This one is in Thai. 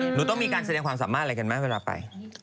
หนูต้องมีการแสดงความสามารถอะไรกันไหมเวลาไป